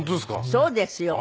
そうですね。